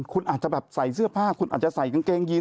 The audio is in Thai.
คุณอาจจะแบบใส่เสื้อผ้าคุณอาจจะใส่กางเกงยีน